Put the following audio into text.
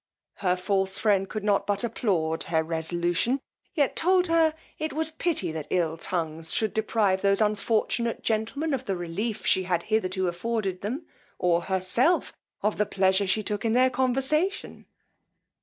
Her false friend could not but applaud her resolution, yet told her it was pity that ill tongues should deprive those unfortunate gentlemen of the relief she had hitherto afforded them, or herself of the pleasure she took in their conversation.